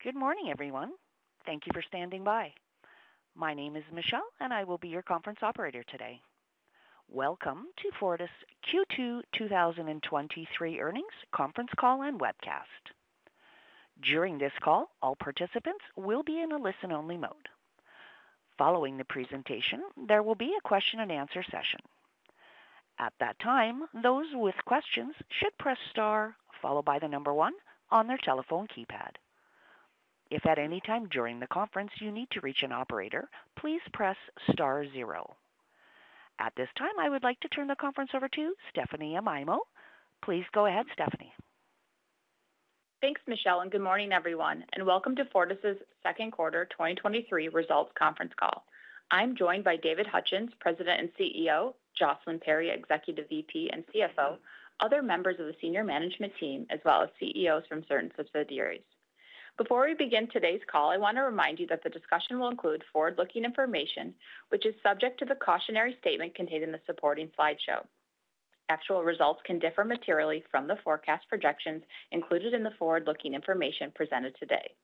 Good morning, everyone. Thank you for standing by. My name is Michelle, and I will be your conference operator today. Welcome to Fortis' Q2 2023 earnings conference call and webcast. During this call, all participants will be in a listen-only mode. Following the presentation, there will be a question-and-answer session. At that time, those with questions should press star, followed by the number one on their telephone keypad. If at any time during the conference you need to reach an operator, please press star zero. At this time, I would like to turn the conference over to Stephanie Amaimo. Please go ahead, Stephanie. Thanks, Michelle, good morning everyone, and welcome to Fortis' second quarter 2023 results conference call. I'm joined by David Hutchens, President and CEO, Jocelyn Perry, Executive VP and CFO, other members of the senior management team, as well as CEOs from certain subsidiaries. Before we begin today's call, I want to remind you that the discussion will include forward-looking information, which is subject to the cautionary statement contained in the supporting slideshow. Actual results can differ materially from the forecast projections included in the forward-looking information presented today.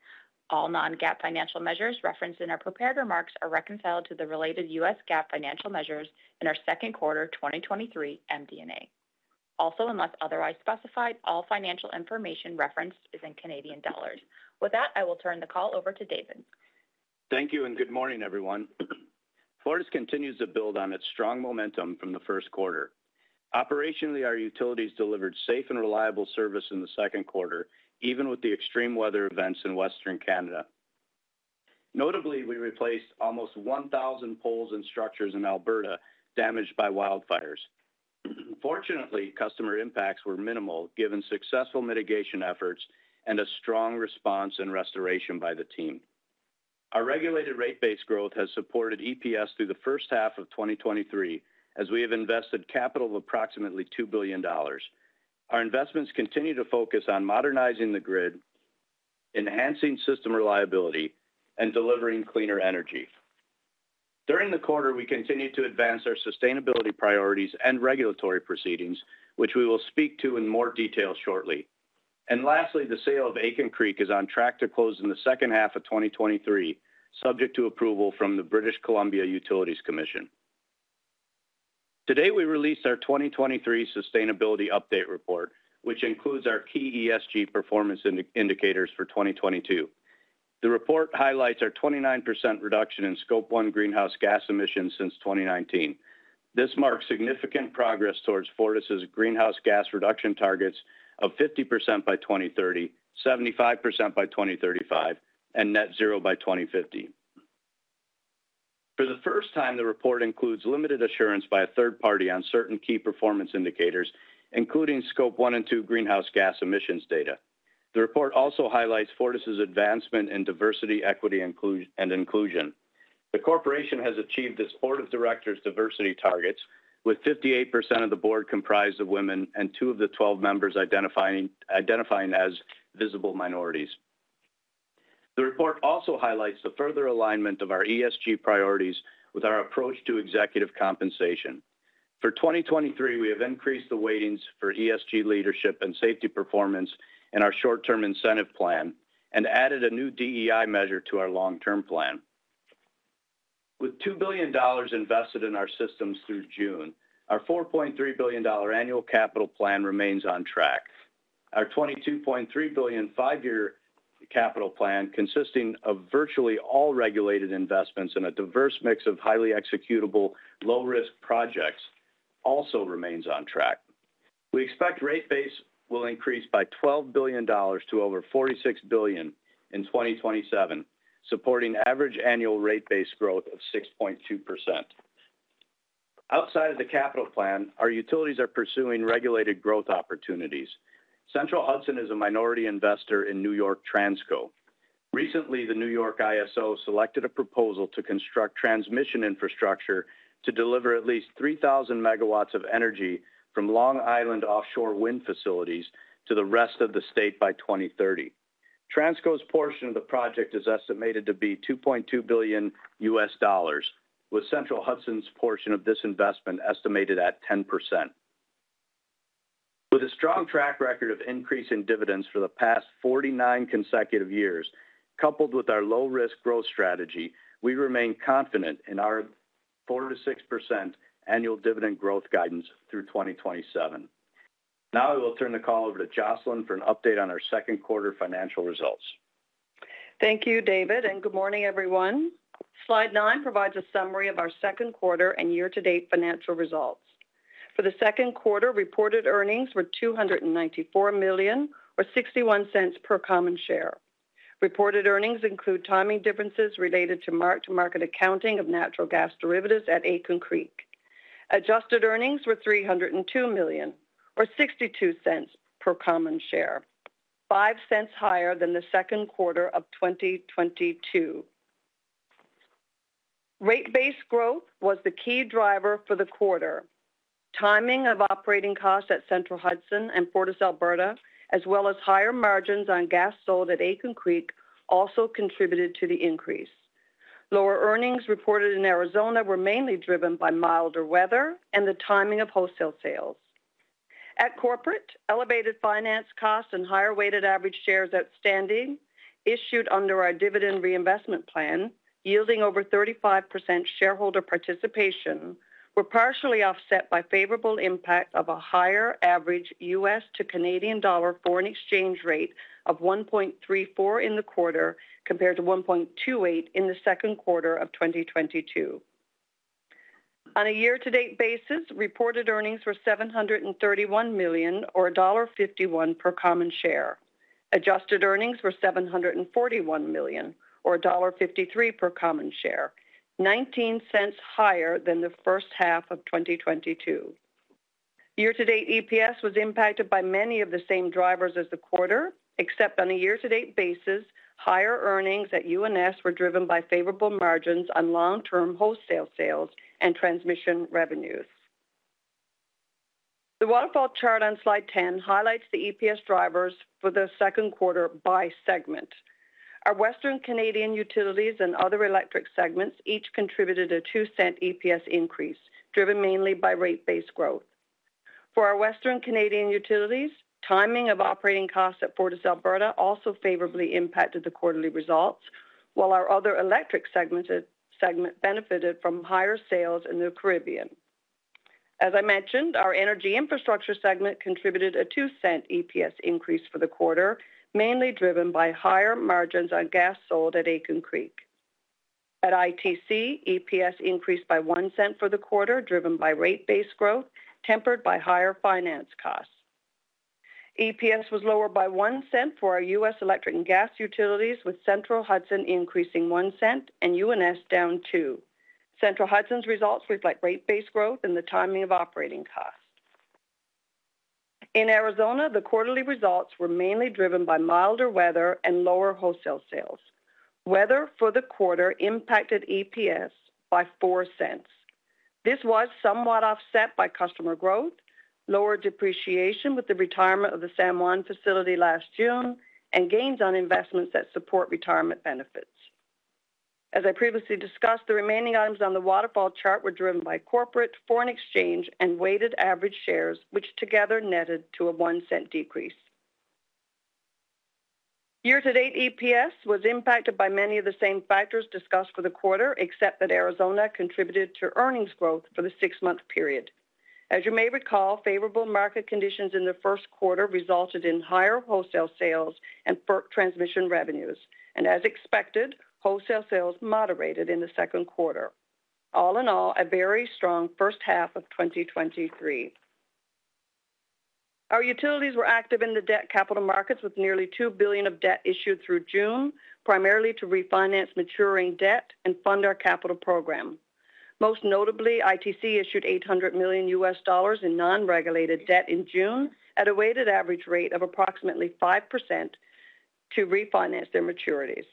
All non-GAAP financial measures referenced in our prepared remarks are reconciled to the related U.S. GAAP financial measures in our second quarter 2023 MD&A. Unless otherwise specified, all financial information referenced is in Canadian dollars. I will turn the call over to David. Thank you. Good morning everyone. Fortis continues to build on its strong momentum from the first quarter. Operationally, our utilities delivered safe and reliable service in the second quarter, even with the extreme weather events in Western Canada. Notably, we replaced almost 1,000 poles and structures in Alberta damaged by wildfires. Fortunately, customer impacts were minimal, given successful mitigation efforts and a strong response and restoration by the team. Our regulated rate base growth has supported EPS through the first half of 2023, as we have invested capital of approximately 2 billion dollars. Our investments continue to focus on modernizing the grid, enhancing system reliability, and delivering cleaner energy. During the quarter, we continued to advance our sustainability priorities and regulatory proceedings, which we will speak to in more detail shortly. Lastly, the sale of Aitken Creek is on track to close in the second half of 2023, subject to approval from the British Columbia Utilities Commission. Today, we released our 2023 sustainability update report, which includes our key ESG performance indicators for 2022. The report highlights our 29% reduction in Scope 1 greenhouse gas emissions since 2019. This marks significant progress towards Fortis' greenhouse gas reduction targets of 50% by 2030, 75% by 2035, and net zero by 2050. For the first time, the report includes limited assurance by a third party on certain key performance indicators, including Scope 1 and 2 greenhouse gas emissions data. The report also highlights Fortis' advancement in diversity, equity, and inclusion. The corporation has achieved its board of directors diversity targets, with 58% of the board comprised of women and two of the 12 members identifying as visible minorities. The report also highlights the further alignment of our ESG priorities with our approach to executive compensation. For 2023, we have increased the weightings for ESG leadership and safety performance in our short-term incentive plan and added a new DEI measure to our long-term plan. With $2 billion invested in our systems through June, our $4.3 billion annual capital plan remains on track. Our $22.3 billion five-year capital plan, consisting of virtually all regulated investments in a diverse mix of highly executable, low-risk projects, also remains on track. We expect rate base will increase by $12 billion to over $46 billion in 2027, supporting average annual rate base growth of 6.2%. Outside of the capital plan, our utilities are pursuing regulated growth opportunities. Central Hudson is a minority investor in New York Transco. Recently, the New York ISO selected a proposal to construct transmission infrastructure to deliver at least 3,000 megawatts of energy from Long Island offshore wind facilities to the rest of the state by 2030. Transco's portion of the project is estimated to be $2.2 billion, with Central Hudson's portion of this investment estimated at 10%. With a strong track record of increasing dividends for the past 49 consecutive years, coupled with our low-risk growth strategy, we remain confident in our 4%-6% annual dividend growth guidance through 2027. Now I will turn the call over to Jocelyn for an update on our second quarter financial results. Thank you, David. Good morning, everyone. Slide nine provides a summary of our second quarter and year-to-date financial results. For the second quarter, reported earnings were 294 million or 0.61 per common share. Reported earnings include timing differences related to mark-to-market accounting of natural gas derivatives at Aitken Creek. Adjusted earnings were 302 million or 0.62 per common share, 0.05 higher than the second quarter of 2022. Rate base growth was the key driver for the quarter. Timing of operating costs at Central Hudson and FortisAlberta, as well as higher margins on gas sold at Aitken Creek, also contributed to the increase. Lower earnings reported in Arizona were mainly driven by milder weather and the timing of wholesale sales. At corporate, elevated finance costs and higher weighted average shares outstanding, issued under our dividend reinvestment plan, yielding over 35% shareholder participation, were partially offset by favorable impact of a higher average U.S. to Canadian dollar foreign exchange rate of 1.34 in the quarter, compared to 1.28 in the second quarter of 2022. On a year-to-date basis, reported earnings were 731 million, or dollar 1.51 per common share. Adjusted earnings were 741 million, or dollar 1.53 per common share, 0.19 higher than the first half of 2022. Year-to-date EPS was impacted by many of the same drivers as the quarter, except on a year-to-date basis, higher earnings at UNS were driven by favorable margins on long-term wholesale sales and transmission revenues. The waterfall chart on slide 10 highlights the EPS drivers for the second quarter by segment. Our Western Canadian utilities and other electric segments each contributed a 0.02 EPS increase, driven mainly by rate-based growth. For our Western Canadian utilities, timing of operating costs at FortisAlberta also favorably impacted the quarterly results, while our other electric segment benefited from higher sales in the Caribbean. As I mentioned, our energy infrastructure segment contributed a 0.02 EPS increase for the quarter, mainly driven by higher margins on gas sold at Aitken Creek. At ITC, EPS increased by 0.01 for the quarter, driven by rate-based growth, tempered by higher finance costs. EPS was lower by 0.01 for our U.S. electric and gas utilities, with Central Hudson increasing 0.01 and UNS down 0.02. Central Hudson's results reflect rate-based growth and the timing of operating costs. In Arizona, the quarterly results were mainly driven by milder weather and lower wholesale sales. Weather for the quarter impacted EPS by $0.04. This was somewhat offset by customer growth, lower depreciation with the retirement of the San Juan facility last June, and gains on investments that support retirement benefits. As I previously discussed, the remaining items on the waterfall chart were driven by corporate, foreign exchange, and weighted average shares, which together netted to a $0.01 decrease. Year-to-date EPS was impacted by many of the same factors discussed for the quarter, except that Arizona contributed to earnings growth for the six-month period. As you may recall, favorable market conditions in the first quarter resulted in higher wholesale sales and FERC transmission revenues, and as expected, wholesale sales moderated in the second quarter. All in all, a very strong first half of 2023. Our utilities were active in the debt capital markets, with nearly $2 billion of debt issued through June, primarily to refinance maturing debt and fund our capital program. Most notably, ITC issued $800 million U.S. dollars in non-regulated debt in June at a weighted average rate of approximately 5% to refinance their maturities.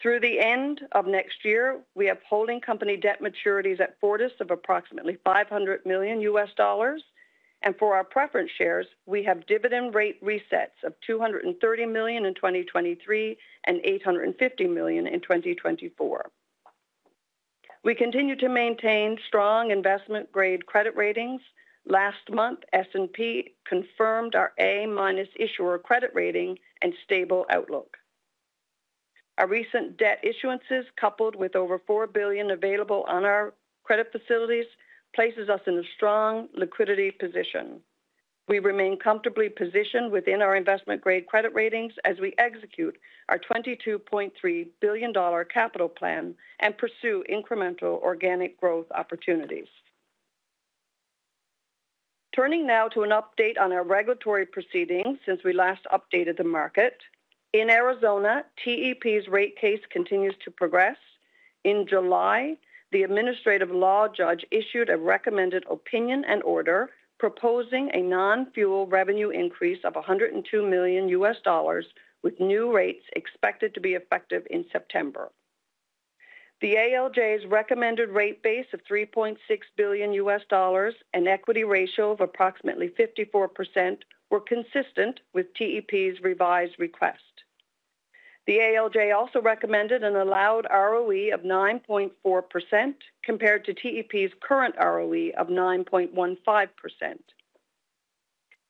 Through the end of next year, we have holding company debt maturities at Fortis of approximately $500 million U.S. dollars, and for our preference shares, we have dividend rate resets of $230 million in 2023 and $850 million in 2024. We continue to maintain strong investment-grade credit ratings. Last month, S&P confirmed our A- issuer credit rating and stable outlook. Our recent debt issuances, coupled with over $4 billion available on our credit facilities, places us in a strong liquidity position. We remain comfortably positioned within our investment-grade credit ratings as we execute our $22.3 billion capital plan and pursue incremental organic growth opportunities. Turning now to an update on our regulatory proceedings since we last updated the market. In Arizona, TEP's rate case continues to progress. In July, the administrative law judge issued a recommended opinion and order proposing a non-fuel revenue increase of $102 million, with new rates expected to be effective in September. The ALJ's recommended rate base of $3.6 billion and equity ratio of approximately 54% were consistent with TEP's revised request. The ALJ also recommended an allowed ROE of 9.4%, compared to TEP's current ROE of 9.15%.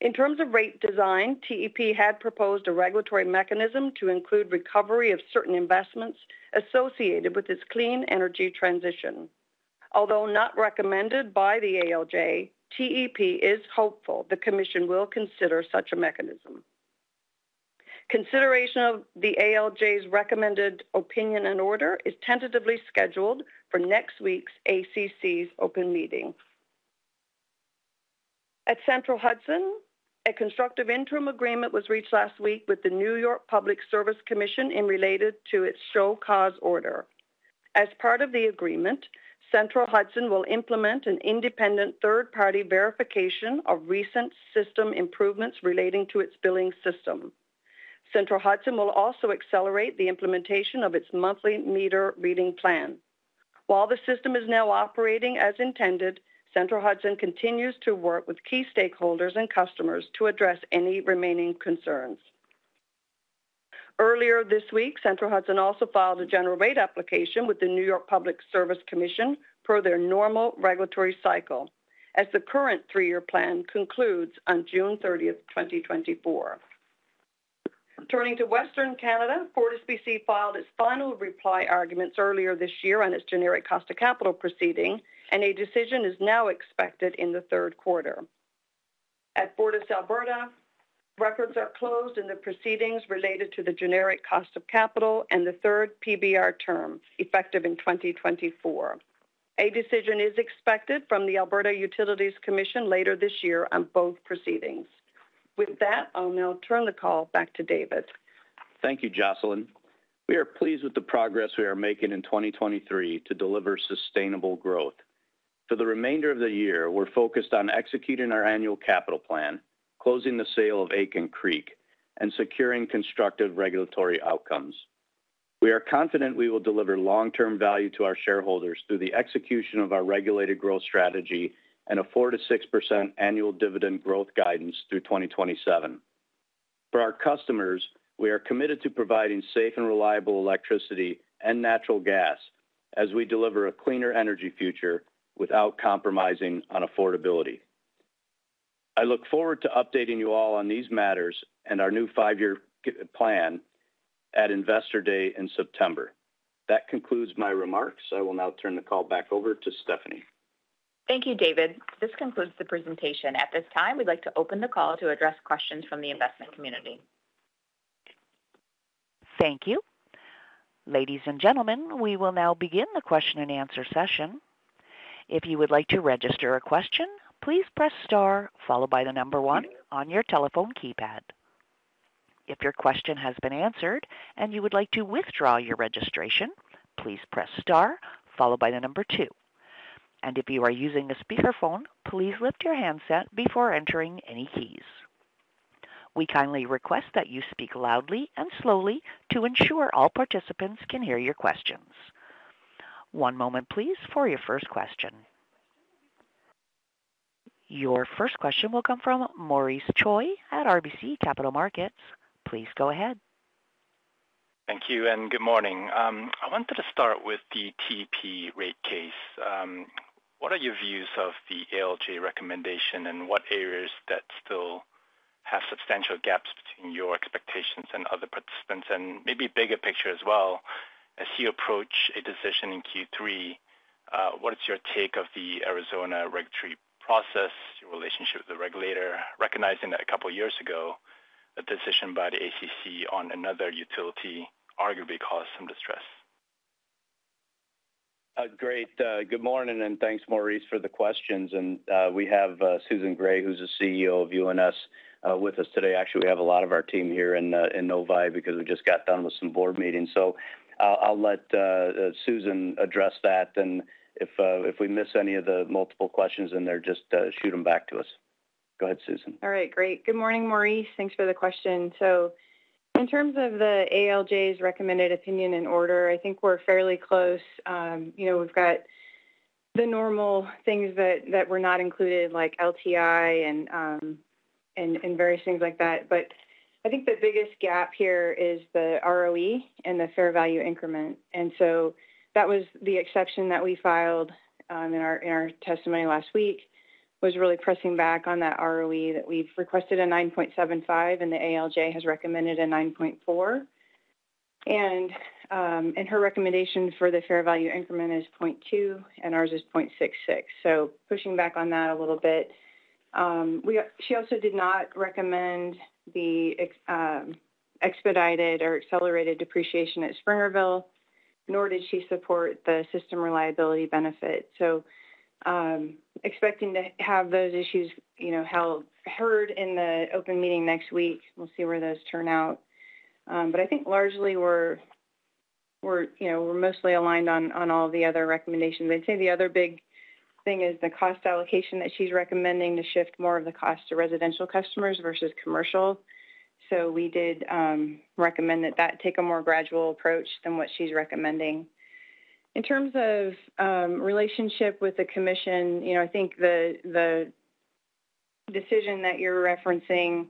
In terms of rate design, TEP had proposed a regulatory mechanism to include recovery of certain investments associated with its clean energy transition. Although not recommended by the ALJ, TEP is hopeful the commission will consider such a mechanism. Consideration of the ALJ's recommended opinion and order is tentatively scheduled for next week's ACC's open meeting. At Central Hudson, a constructive interim agreement was reached last week with the New York Public Service Commission in related to its show cause order. As part of the agreement, Central Hudson will implement an independent third-party verification of recent system improvements relating to its billing system. Central Hudson will also accelerate the implementation of its monthly meter reading plan. While the system is now operating as intended, Central Hudson continues to work with key stakeholders and customers to address any remaining concerns. Earlier this week, Central Hudson also filed a general rate application with the New York Public Service Commission per their normal regulatory cycle, as the current three-year plan concludes on June 30th, 2024. Turning to Western Canada, FortisBC filed its final reply arguments earlier this year on its generic cost of capital proceeding, and a decision is now expected in the third quarter. At FortisAlberta, records are closed in the proceedings related to the generic cost of capital and the third PBR term, effective in 2024. A decision is expected from the Alberta Utilities Commission later this year on both proceedings. With that, I'll now turn the call back to David. Thank you, Jocelyn. We are pleased with the progress we are making in 2023 to deliver sustainable growth. For the remainder of the year, we're focused on executing our annual capital plan, closing the sale of Aitken Creek, and securing constructive regulatory outcomes. We are confident we will deliver long-term value to our shareholders through the execution of our regulated growth strategy and a 4%-6% annual dividend growth guidance through 2027. For our customers, we are committed to providing safe and reliable electricity and natural gas as we deliver a cleaner energy future without compromising on affordability. I look forward to updating you all on these matters and our new five-year plan at Investor Day in September. That concludes my remarks. I will now turn the call back over to Stephanie. Thank you, David. This concludes the presentation. At this time, we'd like to open the call to address questions from the investment community. Thank you. Ladies and gentlemen, we will now begin the question-and-answer session. If you would like to register a question, please press star followed by one on your telephone keypad. If your question has been answered and you would like to withdraw your registration, please press star followed by two. If you are using a speakerphone, please lift your handset before entering any keys. We kindly request that you speak loudly and slowly to ensure all participants can hear your questions. One moment, please, for your first question. Your first question will come from Maurice Choy at RBC Capital Markets. Please go ahead. Thank you, good morning. I wanted to start with the TEP rate case. What are your views of the ALJ recommendation, and what areas that still have substantial gaps between your expectations and other participants? Maybe bigger picture as well, as you approach a decision in Q3, what is your take of the Arizona regulatory process, your relationship with the regulator, recognizing that a couple of years ago, a decision by the ACC on another utility arguably caused some distress? Great. Good morning, and thanks, Maurice, for the questions. We have Susan Gray, who's the CEO of UNS with us today. Actually, we have a lot of our team here in Novi because we just got done with some board meetings. I'll, I'll let Susan address that. If we miss any of the multiple questions in there, just shoot them back to us. Go ahead, Susan. All right. Great. Good morning, Maurice. Thanks for the question. In terms of the ALJ's recommended opinion and order, I think we're fairly close. You know, we've got the normal things that, that were not included, like LTI and, and, and various things like that. I think the biggest gap here is the ROE and the fair value increment. That was the exception that we filed in our testimony last week, was really pressing back on that ROE, that we've requested a 9.75, and the ALJ has recommended a 9.4. Her recommendation for the fair value increment is 0.2, and ours is 0.66. Pushing back on that a little bit. We-- she also did not recommend the ex, expedited or accelerated depreciation at Springerville, nor did she support the system reliability benefit. Expecting to have those issues, you know, held, heard in the open meeting next week. We'll see where those turn out. I think largely we're, we're, you know, we're mostly aligned on, on all the other recommendations. I'd say the other big thing is the cost allocation that she's recommending to shift more of the cost to residential customers versus commercial. We did recommend that that take a more gradual approach than what she's recommending. In terms of relationship with the commission, you know, I think the, the decision that you're referencing,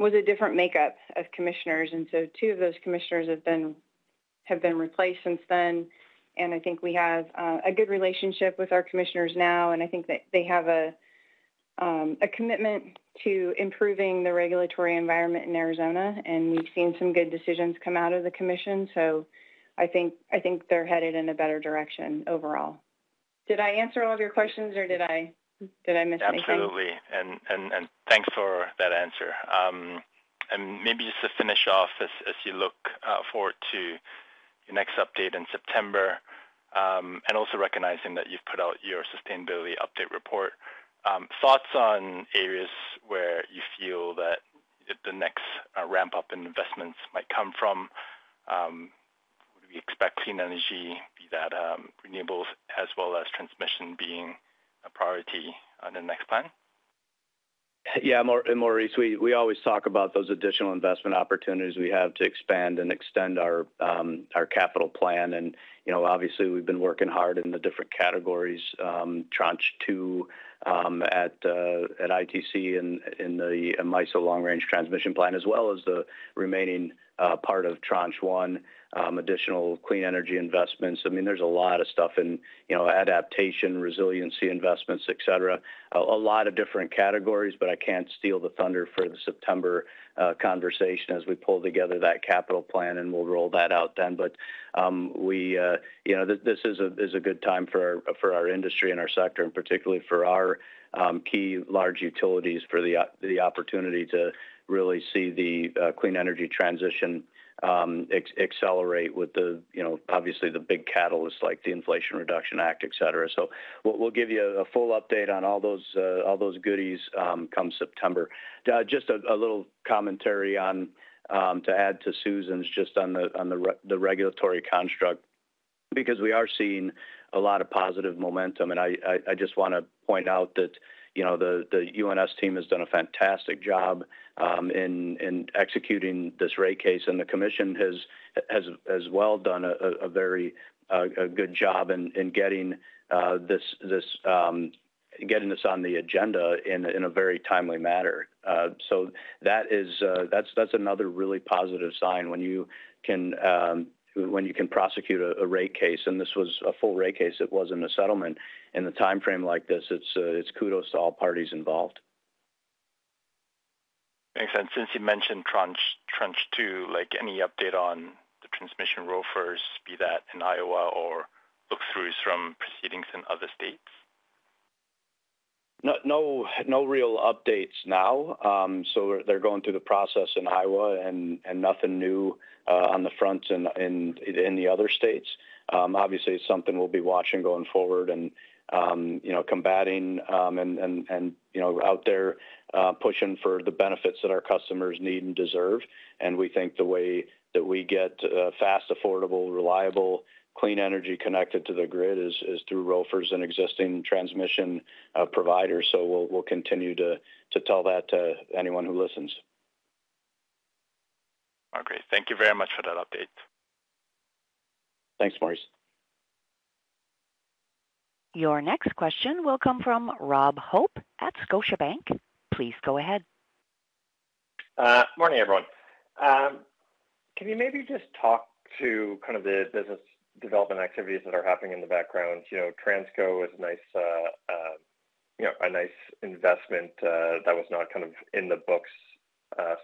was a different makeup of commissioners, and two of those commissioners have been, have been replaced since then. I think we have a good relationship with our commissioners now, and I think they, they have a commitment to improving the regulatory environment in Arizona, and we've seen some good decisions come out of the commission. I think, I think they're headed in a better direction overall. Did I answer all of your questions or did I, did I miss anything? Absolutely. And, and thanks for that answer. Maybe just to finish off, as, as you look forward to your next update in September, and also recognizing that you've put out your sustainability update report, thoughts on areas where you feel that the next ramp-up in investments might come from? Would we expect clean energy, be that renewables and being a priority on the next plan? Yeah, Maurice, we, we always talk about those additional investment opportunities we have to expand and extend our capital plan. You know, obviously, we've been working hard in the different categories, Tranche 2, at ITC in the MISO Long Range Transmission Plan, as well as the remaining part of Tranche 1, additional clean energy investments. I mean, there's a lot of stuff in, you know, adaptation, resiliency investments, et cetera. A lot of different categories, but I can't steal the thunder for the September conversation as we pull together that capital plan, and we'll roll that out then. We, you know, this, this is a, is a good time for our, for our industry and our sector, and particularly for our key large utilities, for the opportunity to really see the clean energy transition accelerate with the, you know, obviously the big catalysts like the Inflation Reduction Act, et cetera. We'll, we'll give you a full update on all those all those goodies come September. Just a little commentary on to add to Susan's just on the regulatory construct, because we are seeing a lot of positive momentum. I just want to point out that, you know, the, the UNS team has done a fantastic job in, in executing this rate case, and the commission has, has, has well done a, a very good job in, in getting this, this, getting this on the agenda in a very timely manner. That is, that's, that's another really positive sign when you can, when you can prosecute a, a rate case, and this was a full rate case, it wasn't a settlement, in a timeframe like this, it's, it's kudos to all parties involved. Makes sense. Since you mentioned Tranche, Tranche 2, like, any update on the transmission ROFRs, be that in Iowa or look-throughs from proceedings in other states? No, no, no real updates now. So they're going through the process in Iowa and, and nothing new on the front in, in, in the other states. Obviously, it's something we'll be watching going forward and, you know, combating, and, and, and, you know, out there, pushing for the benefits that our customers need and deserve. We think the way that we get fast, affordable, reliable, clean energy connected to the grid is, is through ROFRs and existing transmission providers. We'll, we'll continue to, to tell that to anyone who listens. Okay. Thank you very much for that update. Thanks, Maurice. Your next question will come from Rob Hope at Scotiabank. Please go ahead. Morning, everyone. Can you maybe just talk to kind of the business development activities that are happening in the background? You know, Transco is a nice, you know, a nice investment, that was not kind of in the books,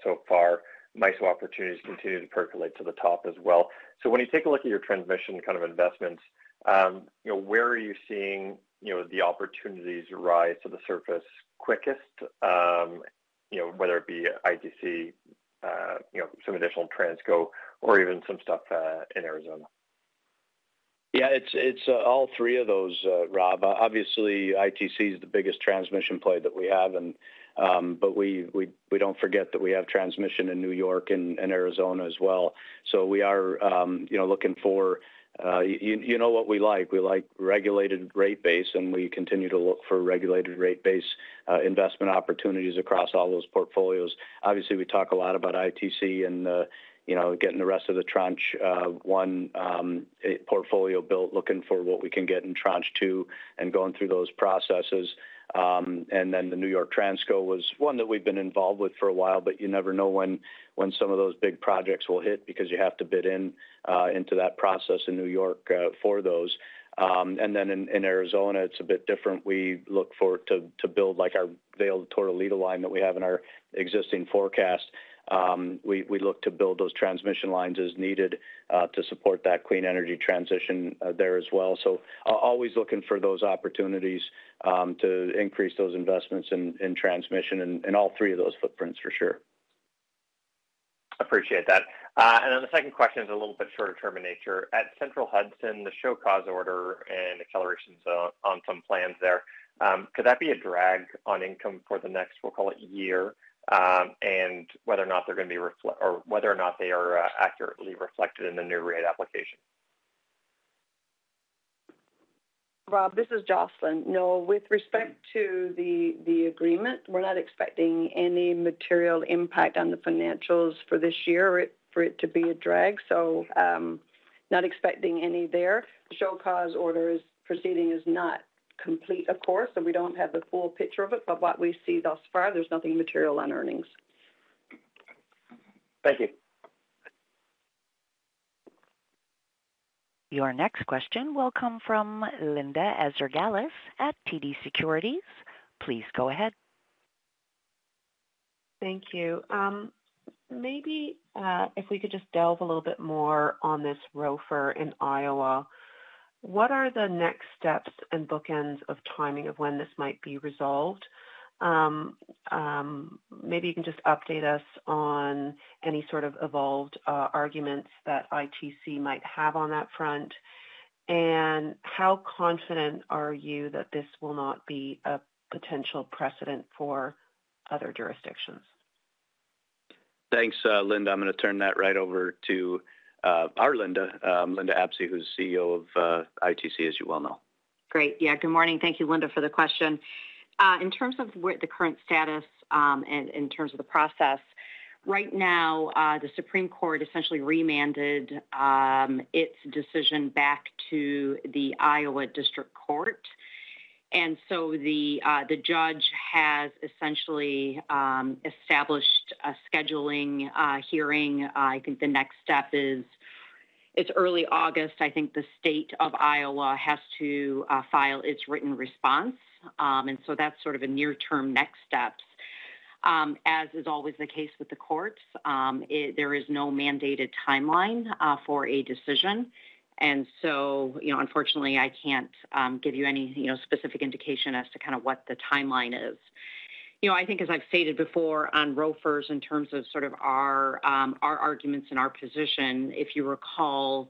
so far. MISO opportunities continue to percolate to the top as well. When you take a look at your transmission kind of investments, you know, where are you seeing, you know, the opportunities rise to the surface quickest? You know, whether it be ITC, you know, some additional Transco or even some stuff, in Arizona. Yeah, it's, it's all three of those, Rob. Obviously, ITC is the biggest transmission play that we have, and but we, we, we don't forget that we have transmission in New York and Arizona as well. We are, you know, looking for, you know what we like. We like regulated rate base, and we continue to look for regulated rate base, investment opportunities across all those portfolios. Obviously, we talk a lot about ITC and, you know, getting the rest of the Tranche 1 portfolio built, looking for what we can get in Tranche 2, and going through those processes. The New York Transco was one that we've been involved with for a while, but you never know when, when some of those big projects will hit because you have to bid in into that process in New York for those. In Arizona, it's a bit different. We look for to, to build, like our Vail to Tortolita line that we have in our existing forecast. We, we look to build those transmission lines as needed to support that clean energy transition there as well. Always looking for those opportunities to increase those investments in transmission in all three of those footprints, for sure. Appreciate that. The second question is a little bit shorter term in nature. At Central Hudson, the show cause order and acceleration on, on some plans there, could that be a drag on income for the next, we'll call it year, and whether or not they're going to be or whether or not they are accurately reflected in the new rate application? Rob, this is Jocelyn. No, with respect to the agreement, we're not expecting any material impact on the financials for this year or for it to be a drag. Not expecting any there. The show cause order proceeding is not complete, of course, so we don't have the full picture of it, but what we see thus far, there's nothing material on earnings. Thank you. Your next question will come from Linda Ezergailis at TD Securities. Please go ahead. Thank you. Maybe, if we could just delve a little bit more on this ROFR in Iowa. What are the next steps and bookends of timing of when this might be resolved? Maybe you can just update us on any sort of evolved arguments that ITC might have on that front, and how confident are you that this will not be a potential precedent for other jurisdictions? Thanks, Linda. I'm going to turn that right over to our Linda, Linda Apsey, who's CEO of ITC, as you well know. Great. Yeah, good morning. Thank you, Linda, for the question. In terms of what the current status, and in terms of the process, right now, the Supreme Court essentially remanded its decision back to the Iowa District Court. So the judge has essentially established a scheduling hearing. I think the next step is, it's early August. I think the state of Iowa has to file its written response. So that's sort of a near-term next steps. As is always the case with the courts, it, there is no mandated timeline for a decision. So, you know, unfortunately, I can't give you any, you know, specific indication as to kind of what the timeline is. You know, I think, as I've stated before on ROFRs, in terms of sort of our arguments and our position, if you recall,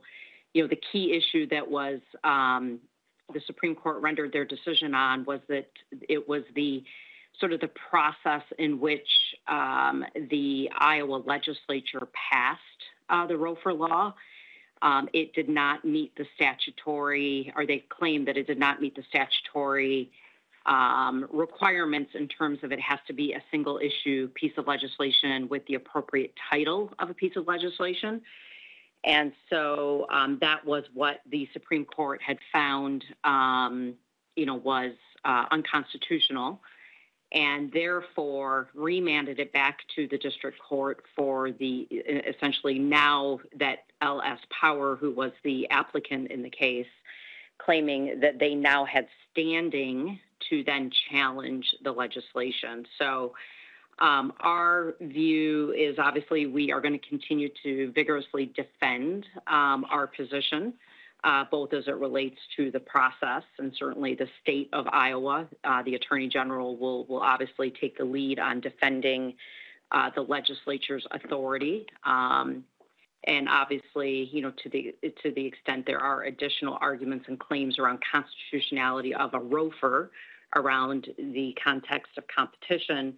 you know, the key issue that was the Supreme Court rendered their decision on was that it was the sort of the process in which the Iowa Legislature passed the ROFR law. It did not meet the statutory, or they claimed that it did not meet the statutory, requirements in terms of it has to be a single issue, piece of legislation with the appropriate title of a piece of legislation. That was what the Supreme Court had found, you know, was unconstitutional, and therefore, remanded it back to the district court for the, essentially now that LS Power, who was the applicant in the case, claiming that they now had standing to then challenge the legislation. Our view is, obviously, we are going to continue to vigorously defend our position, both as it relates to the process and certainly the state of Iowa. The Attorney General will, will obviously take the lead on defending the legislature's authority. Obviously, you know, to the, to the extent there are additional arguments and claims around constitutionality of a ROFR around the context of competition,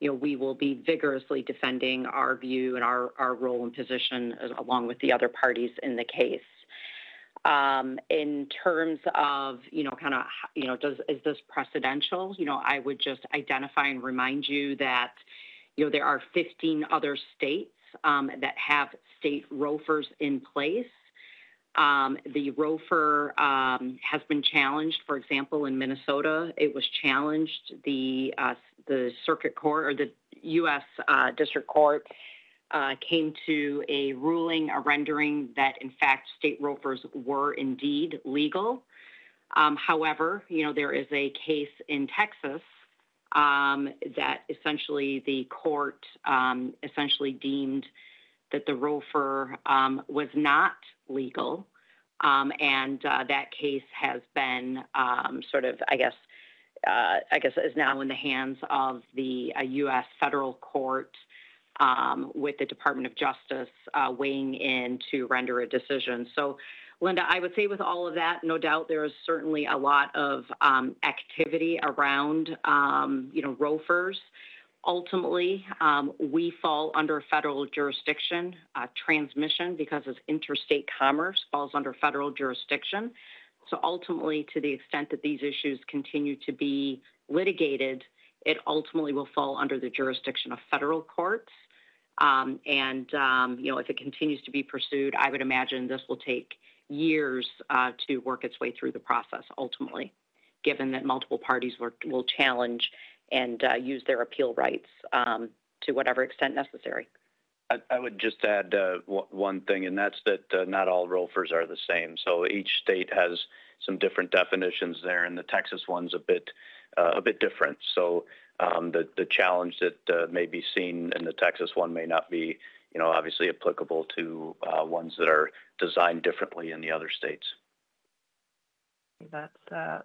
you know, we will be vigorously defending our view and our, our role and position, along with the other parties in the case. In terms of, you know, kind of, you know, is this precedential? You know, I would just identify and remind you that, you know, there are 15 other states that have state ROFRs in place. The ROFR has been challenged. For example, in Minnesota, it was challenged. The, the Circuit Court or the U.S. District Court came to a ruling, a rendering, that in fact, state ROFRs were indeed legal. However, you know, there is a case in Texas that essentially the court essentially deemed that the ROFR was not legal. That case has been sort of, I guess, I guess, is now in the hands of the U.S. Federal Court with the Department of Justice weighing in to render a decision. Linda, I would say with all of that, no doubt, there is certainly a lot of, you know, ROFRs. Ultimately, we fall under federal jurisdiction, transmission, because as interstate commerce falls under federal jurisdiction. Ultimately, to the extent that these issues continue to be litigated, it ultimately will fall under the jurisdiction of federal courts. You know, if it continues to be pursued, I would imagine this will take years to work its way through the process, ultimately, given that multiple parties work, will challenge and use their appeal rights to whatever extent necessary. I would just add one thing, and that's that, not all ROFRs are the same. Each state has some different definitions there, and the Texas one's a bit a bit different. The, the challenge that may be seen in the Texas one may not be, you know, obviously applicable to ones that are designed differently in the other states. That's,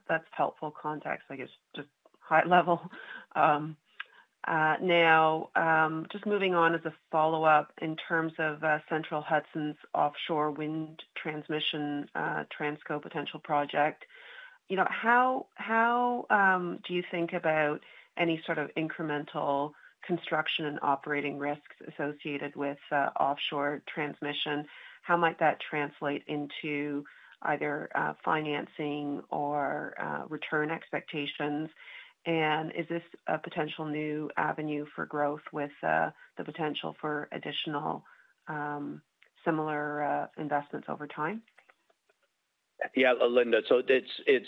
that's helpful context, I guess, just high level. Now, just moving on as a follow-up in terms of Central Hudson's offshore wind transmission, Transco potential project, you know, how, how do you think about any sort of incremental construction and operating risks associated with offshore transmission? How might that translate into either financing or return expectations? Is this a potential new avenue for growth with the potential for additional similar investments over time? Yeah, Linda. It's, it's,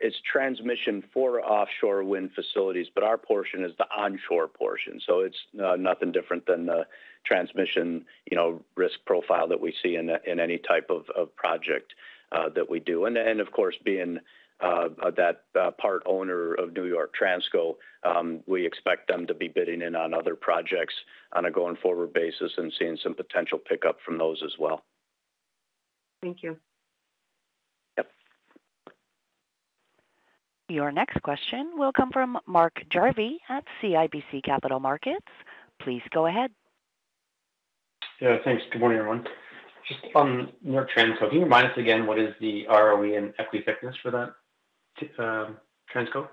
it's transmission for offshore wind facilities, but our portion is the onshore portion. It's nothing different than the transmission, you know, risk profile that we see in, in any type of, of project that we do. Of course, being that part owner of New York Transco, we expect them to be bidding in on other projects on a going-forward basis and seeing some potential pickup from those as well. Thank you. Yep. Your next question will come from Mark Jarvi at CIBC Capital Markets. Please go ahead. Yeah, thanks. Good morning, everyone. Just on New York Transco, can you remind us again, what is the ROE and equity thickness for that, Transco?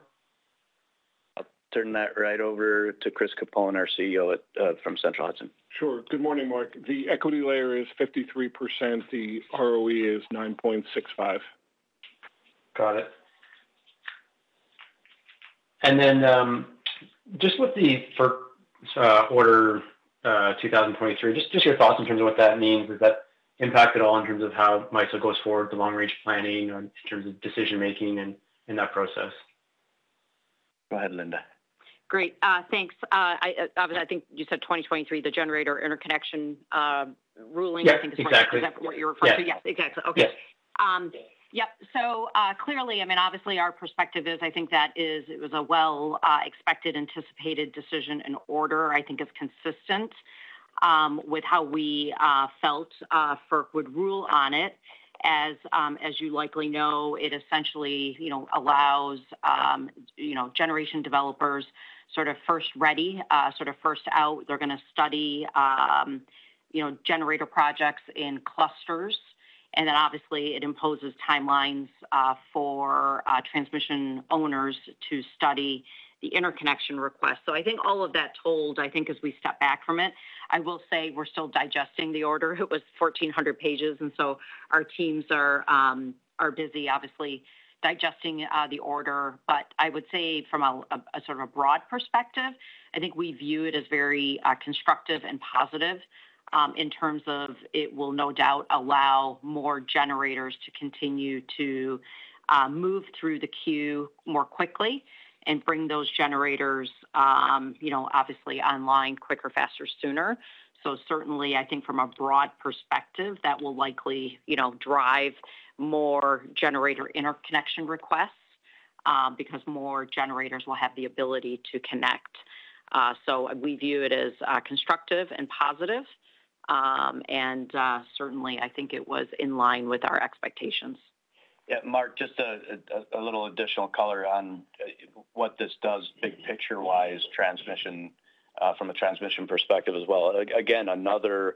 I'll turn that right over to Chris Capone, our CEO at, from Central Hudson. Sure. Good morning, Mark. The equity layer is 53%. The ROE is 9.65. Got it. Just with the FERC Order 2023, just your thoughts in terms of what that means? Does that impact at all in terms of how MISO goes forward, the long-range planning, in terms of decision-making and in that process? Go ahead, Linda. Great, thanks. I, obviously, I think you said 2023, the generator interconnection, ruling- Yes, exactly. Is that what you're referring to? Yes. Exactly. Okay. Yes. Yep. Clearly, I mean, obviously, our perspective is, I think that is, it was a well, expected, anticipated decision and order, I think is consistent with how we felt FERC would rule on it. As you likely know, it essentially, you know, allows, you know, generation developers sort of first ready, sort of first out. They're going to study, you know, generator projects in clusters, and then obviously it imposes timelines for transmission owners to study the interconnection request. I think all of that told, I think as we step back from it, I will say we're still digesting the order. It was 1,400 pages, our teams are busy, obviously digesting the order. I would say from a, a, sort of a broad perspective, I think we view it as very constructive and positive in terms of it will no doubt allow more generators to continue to move through the queue more quickly and bring those generators, you know, obviously online quicker, faster, sooner. Certainly I think from a broad perspective, that will likely, you know, drive more generator interconnection requests because more generators will have the ability to connect. We view it as constructive and positive and certainly I think it was in line with our expectations. Yeah, Mark, just a little additional color on what this does big picture-wise, transmission, from a transmission perspective as well. Again, another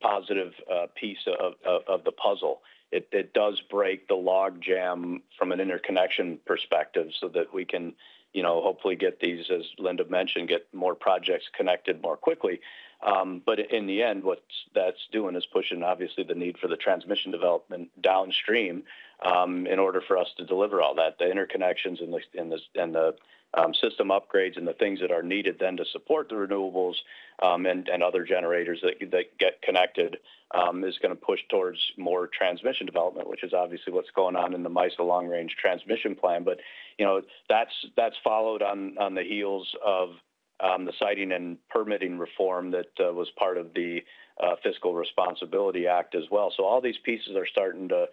positive piece of the puzzle. It does break the logjam from an interconnection perspective so that we can, you know, hopefully get these, as Linda mentioned, get more projects connected more quickly. In the end, what that's doing is pushing, obviously, the need for the transmission development downstream, in order for us to deliver all that. The interconnections and the system upgrades and the things that are needed then to support the renewables and other generators that get connected, is going to push towards more transmission development, which is obviously what's going on in the MISO Long Range Transmission Plan. You know, that's, that's followed on, on the heels of the siting and permitting reform that was part of the Fiscal Responsibility Act as well. All these pieces are starting to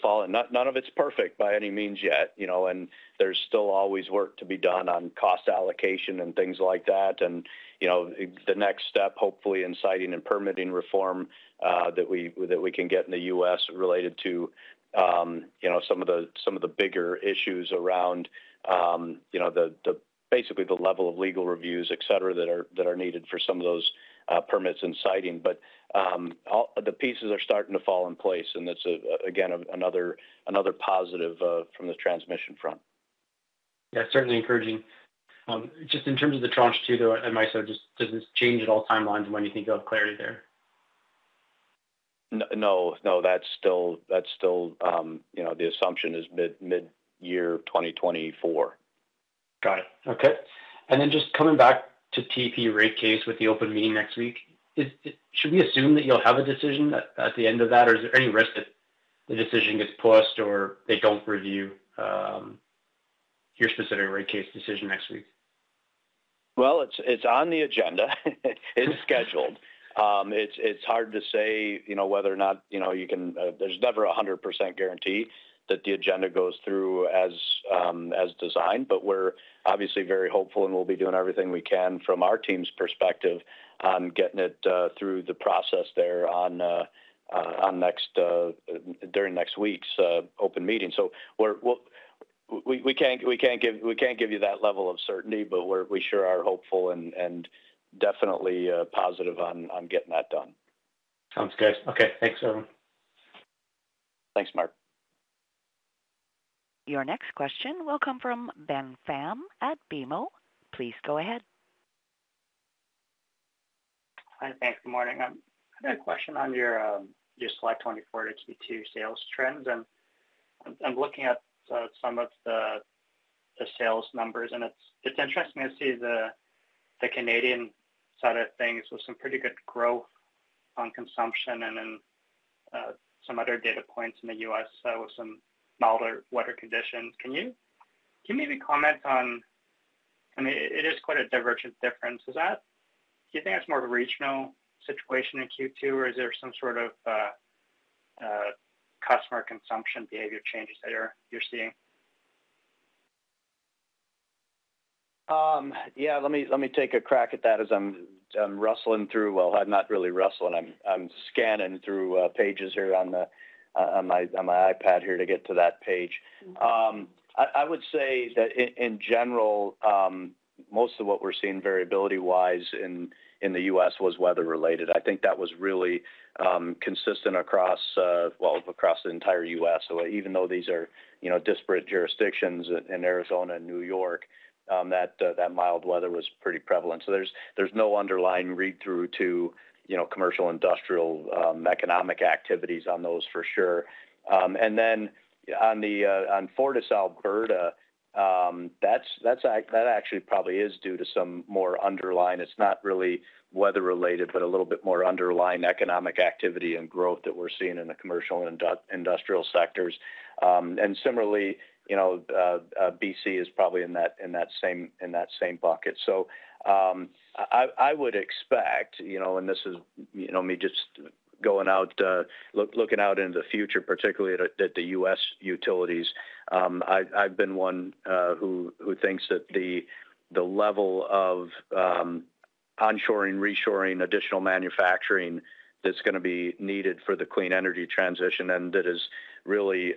fall, and none, none of it's perfect by any means yet, you know, and there's still always work to be done on cost allocation and things like that. You know, the next step, hopefully in siting and permitting reform that we, that we can get in the U.S. related to, you know, some of the, some of the bigger issues around, you know, the, the basically the level of legal reviews, et cetera, that are, that are needed for some of those permits and siting. All the pieces are starting to fall in place, and it's, again, another, another positive from the transmission front. Yeah, certainly encouraging. Just in terms of the Tranche 2, though, at MISO, just does this change at all timelines when you think of clarity there? No, no, that's still, that's still, you know, the assumption is mid, mid-year 2024. Got it. Okay. Then just coming back to TEP rate case with the open meeting next week, should we assume that you'll have a decision at, at the end of that, or is there any risk that the decision gets pushed or they don't review your specific rate case decision next week? Well, it's, it's on the agenda. It's scheduled. It's, it's hard to say, you know, whether or not, you know, you can... There's never a 100% guarantee that the agenda goes through as designed. We're obviously very hopeful, and we'll be doing everything we can from our team's perspective on getting it through the process there on next during next week's open meeting. We can't, we can't give, we can't give you that level of certainty, but we sure are hopeful and definitely positive on getting that done. Sounds good. Okay. Thanks, everyone. Thanks, Mark. Your next question will come from Ben Pham at BMO. Please go ahead. Hi, thanks. Good morning. I had a question on your, your slide 24, Q2 sales trends, and I'm looking at, some of the, the sales numbers, and it's, it's interesting to see the, the Canadian side of things with some pretty good growth on consumption and then, some other data points in the U.S., with some milder weather conditions. Can you, can you maybe comment on... I mean, it is quite a divergent difference. Is that, do you think that's more of a regional situation in Q2, or is there some sort of, customer consumption behavior changes that you're seeing? Yeah, let me, let me take a crack at that as I'm, I'm rustling through... Well, I'm not really rustling. I'm, I'm scanning through pages here on the on my on my iPad here to get to that page. Okay. I would say that in general, most of what we're seeing variability-wise in, in the U.S. was weather-related. I think that was really, consistent across, well, across the entire U.S. Even though these are, you know, disparate jurisdictions in, in Arizona and New York, that mild weather was pretty prevalent. There's, there's no underlying read-through to, you know, commercial, industrial, economic activities on those for sure. Then on the, on FortisAlberta, that's that actually probably is due to some more underlying. It's not really weather-related, but a little bit more underlying economic activity and growth that we're seeing in the commercial and industrial sectors. Similarly, you know, BC is probably in that, in that same, in that same bucket. I would expect, you know, and this is, you know, me just going out, looking out into the future, particularly at, at the U.S. utilities. I've, I've been one who, who thinks that the, the level of onshoring, reshoring, additional manufacturing that's going to be needed for the clean energy transition, and that is really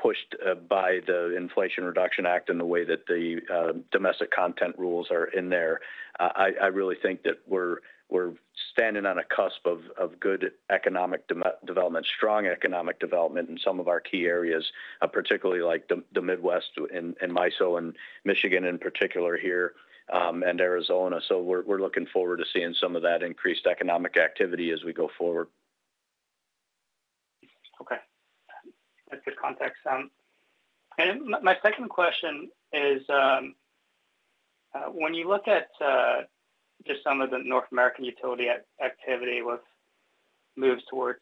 pushed by the Inflation Reduction Act and the way that the domestic content rules are in there. I, I really think that we're, we're standing on a cusp of, of good economic development, strong economic development in some of our key areas, particularly like the Midwest and MISO and Michigan in particular here, and Arizona. We're, we're looking forward to seeing some of that increased economic activity as we go forward. Okay. That's good context. My, my second question is, when you look at, just some of the North American utility activity with moves towards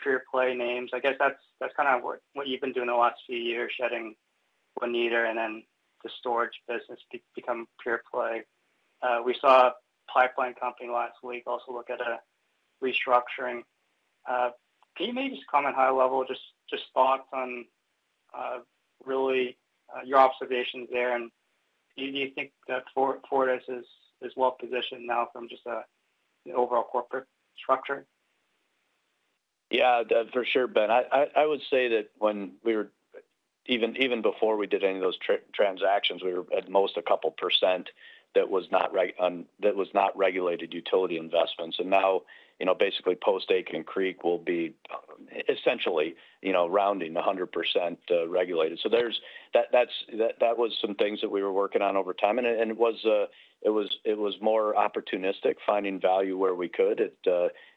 pure-play names, I guess that's, that's kind of what, what you've been doing the last few years, shedding [container] and then the storage business become pure-play. We saw a pipeline company last week also look at a restructuring. Can you maybe just comment high level, just, just thoughts on, really, your observations there, and do you think that Fortis is, is well positioned now from just a, the overall corporate structure? Yeah, that for sure, Ben. I would say that when we were even, even before we did any of those transactions, we were at most a couple % that was not regulated utility investments. Now, you know, basically post Aitken Creek will be essentially, you know, rounding 100% regulated. There's, that, that's, that, that was some things that we were working on over time. It, and it was, it was, it was more opportunistic, finding value where we could at,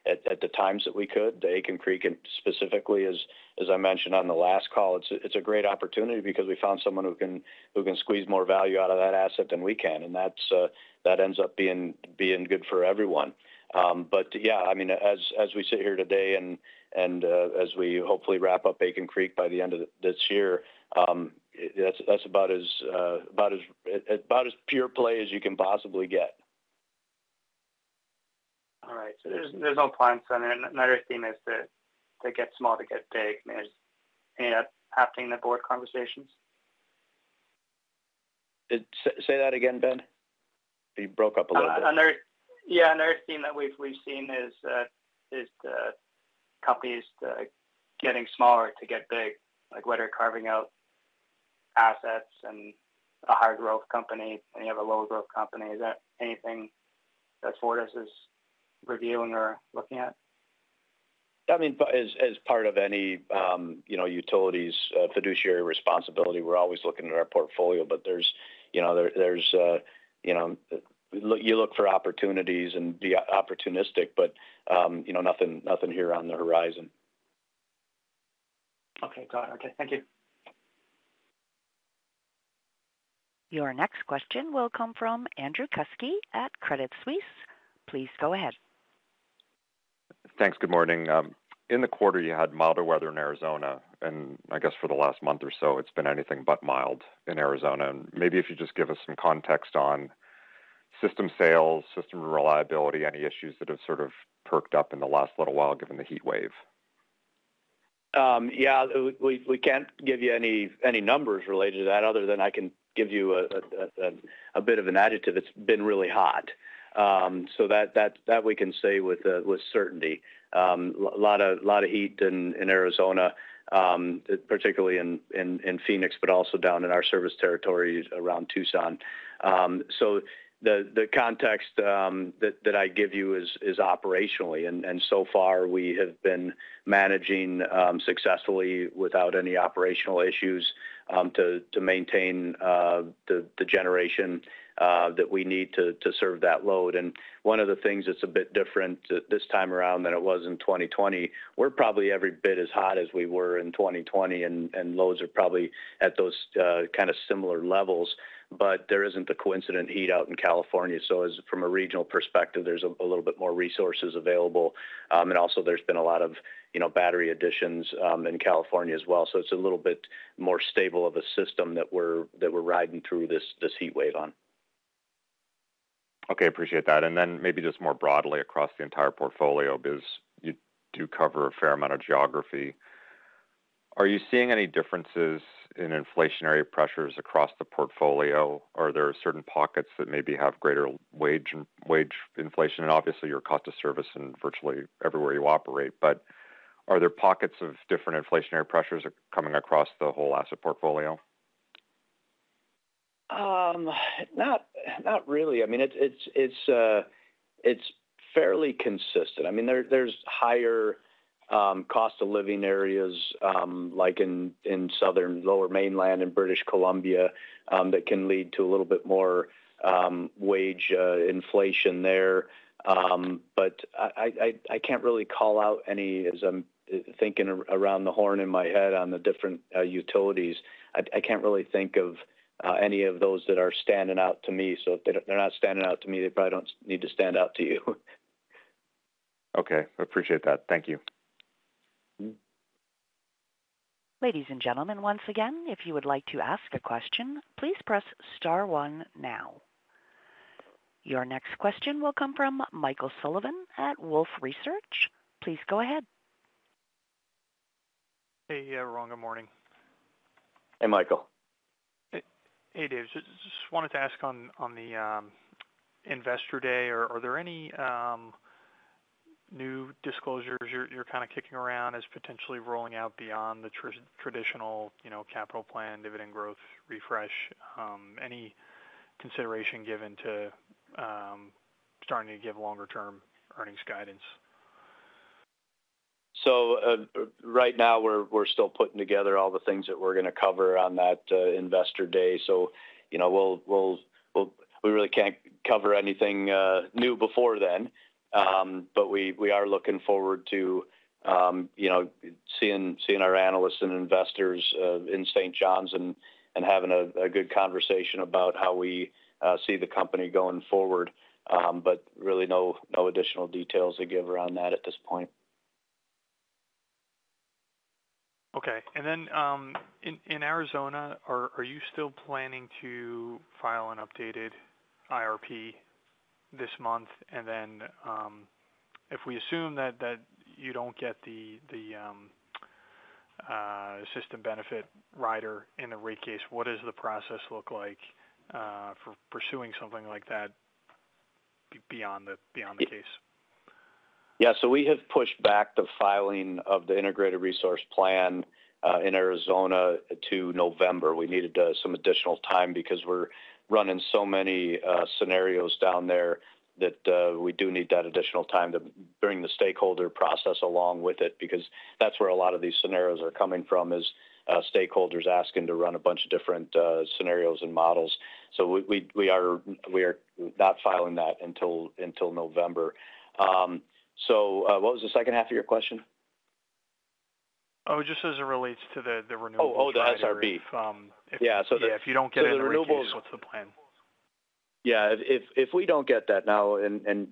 at, at the times that we could. The Aitken Creek, and specifically as, as I mentioned on the last call, it's, it's a great opportunity because we found someone who can, who can squeeze more value out of that asset than we can, and that's that ends up being, being good for everyone. Yeah, I mean, as, as we sit here today and, and as we hopefully wrap up Aitken Creek by the end of this year, that's, that's about as about as pure play as you can possibly get. All right. There's no plans on there. Another theme is to get small, to get big, and there's, you know, happening in the board conversations? Say, say that again, Ben. You broke up a little bit. Another... Yeah, another theme that we've, we've seen is, is the companies getting smaller to get big, like whether carving out assets and a hard growth company, and you have a low-growth company. Is that anything that Fortis is reviewing or looking at? I mean, as, as part of any, you know, utilities' fiduciary responsibility, we're always looking at our portfolio. There's, you know, there, there's, you know, you look for opportunities and be opportunistic. You know, nothing, nothing here on the horizon. Okay, got it. Okay, thank you. Your next question will come from Andrew Kuske at Credit Suisse. Please go ahead. Thanks. Good morning. In the quarter, you had milder weather in Arizona, and I guess for the last month or so, it's been anything but mild in Arizona. Maybe if you just give us some context on system sales, system reliability, any issues that have sort of perked up in the last little while, given the heat wave? Yeah, we can't give you any, any numbers related to that other than I can give you a bit of an adjective. It's been really hot. That, that, that we can say with certainty. A lot of, a lot of heat in, in Arizona, particularly in, in, in Phoenix, but also down in our service territories around Tucson. The, the context that, that I give you is, is operationally, and, and so far we have been managing successfully without any operational issues, to, to maintain the, the generation that we need to, to serve that load. One of the things that's a bit different this time around than it was in 2020, we're probably every bit as hot as we were in 2020, and, and loads are probably at those, kind of similar levels, but there isn't the coincident heat out in California. As from a regional perspective, there's a, a little bit more resources available. And also there's been a lot of, you know, battery additions, in California as well. It's a little bit more stable of a system that we're, that we're riding through this, this heat wave on. Okay, appreciate that. Then maybe just more broadly across the entire portfolio, because you do cover a fair amount of geography. Are you seeing any differences in inflationary pressures across the portfolio? Are there certain pockets that maybe have greater wage inflation? Obviously, your cost of service in virtually everywhere you operate, but. Are there pockets of different inflationary pressures are coming across the whole asset portfolio? Not, not really. I mean, it's, it's, it's fairly consistent. I mean, there, there's higher, cost of living areas, like in, in southern Lower Mainland in British Columbia, that can lead to a little bit more, wage, inflation there. But I can't really call out any, as I'm thinking around the horn in my head on the different, utilities. I, I can't really think of, any of those that are standing out to me. If they're, they're not standing out to me, they probably don't need to stand out to you. Okay, appreciate that. Thank you. Ladies and gentlemen, once again, if you would like to ask a question, please press star one now. Your next question will come from Michael Sullivan at Wolfe Research. Please go ahead. Hey, everyone, good morning. Hey, Michael. Hey, Dave. Just wanted to ask on, on the Investor Day, are, are there any new disclosures you're, you're kind of kicking around as potentially rolling out beyond the tra-traditional, you know, capital plan, dividend growth, refresh? Any consideration given to starting to give longer-term earnings guidance? Right now, we're, we're still putting together all the things that we're going to cover on that Investor Day. You know, we'll, we really can't cover anything new before then. We, we are looking forward to, you know, seeing, seeing our analysts and investors in St. John's and, and having a good conversation about how we see the company going forward. Really no, no additional details to give around that at this point. Okay. Then, in, in Arizona, are, are you still planning to file an updated IRP this month? Then, if we assume that, that you don't get the, the system benefit rider in the rate case, what does the process look like for pursuing something like that beyond the, beyond the case? Yeah, so we have pushed back the filing of the integrated resource plan in Arizona to November. We needed some additional time because we're running so many scenarios down there that we do need that additional time to bring the stakeholder process along with it, because that's where a lot of these scenarios are coming from, is stakeholders asking to run a bunch of different scenarios and models. We, we, we are, we are not filing that until, until November. What was the second half of your question? Oh, just as it relates to the, the renewable- Oh, the SRB. Yeah. Yeah. If you don't get it, what's the plan? Yeah. If, if we don't get that now and, and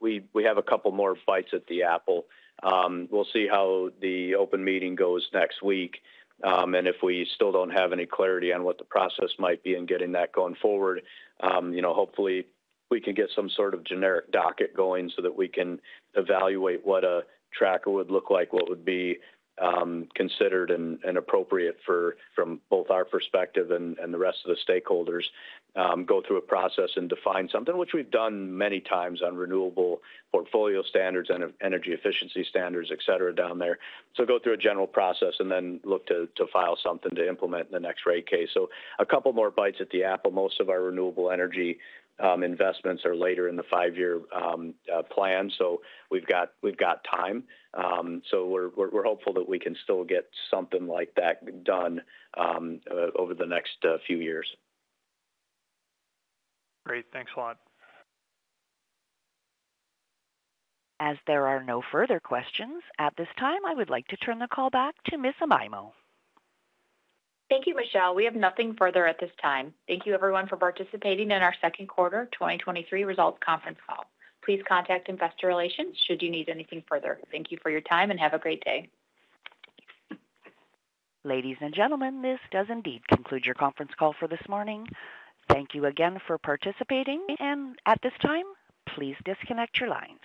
we, we have a couple more bites at the apple, we'll see how the open meeting goes next week. If we still don't have any clarity on what the process might be in getting that going forward, you know, hopefully we can get some sort of generic docket going so that we can evaluate what a tracker would look like, what would be considered and, and appropriate for, from both our perspective and, and the rest of the stakeholders. Go through a process and define something, which we've done many times on renewable portfolio standards and energy efficiency standards, et cetera, down there. Go through a general process and then look to, to file something to implement in the next rate case. A couple more bites at the apple. Most of our renewable energy, investments are later in the five-year, plan, so we've got, we've got time. We're, we're hopeful that we can still get something like that done, over the next, few years. Great. Thanks a lot. As there are no further questions, at this time, I would like to turn the call back to Ms. Amaimo. Thank you, Michelle. We have nothing further at this time. Thank you, everyone, for participating in our second quarter 2023 results conference call. Please contact Investor Relations should you need anything further. Thank you for your time, and have a great day. Ladies and gentlemen, this does indeed conclude your conference call for this morning. Thank you again for participating, and at this time, please disconnect your lines.